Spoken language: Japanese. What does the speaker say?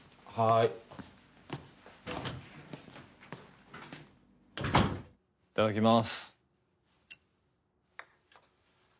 いただきます。